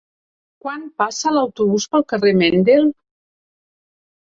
Quan passa l'autobús pel carrer Mendel?